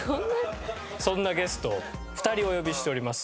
そんなゲストを２人お呼びしております。